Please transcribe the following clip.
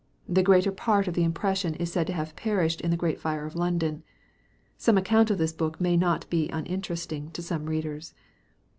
The greater part of the impression is said to have perished in the great fire of London. Some account of this book may not be uninteresting to some readers.